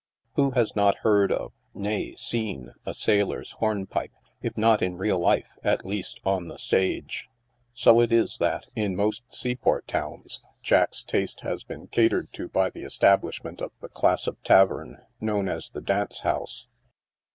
Yv 'ho has not heard of, nay, seen, a sailor's horn pipe, if not in real life, at least on the stage ? So it is that, in most seaport towns, Jack's taste has been catered to by the establishment of the clas3 of tavern known as the u dance house."